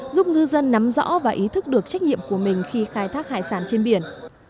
giúp ngư dân nắm rõ và ý thức được trách nhiệm của mình khi khai thác hải sản trên biển